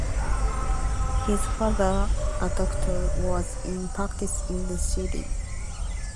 His father, a doctor, was in practice in the city.